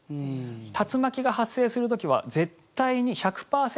竜巻が発生する時は絶対に１００％